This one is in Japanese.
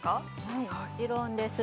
はいもちろんです